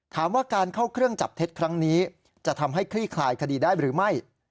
ถามว่าการเข้าเครื่องจับเท็จครั้งนี้จะทำให้คลี่คลายคดีได้หรือไม่